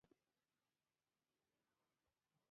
ایتیوپیایي متل وایي دوست دښمن کېدلی شي.